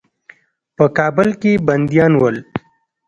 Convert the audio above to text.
په کابل کې بندیان ول.